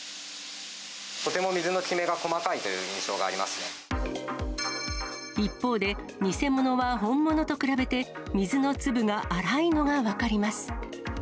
とても水のきめが細かいとい一方で、偽物は本物と比べて、水の粒が粗いのが分かります。